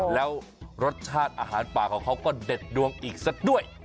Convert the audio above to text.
แล้วรสชาติอาหารป่าของเขาก็เด็ดดวงอีกสักด้วย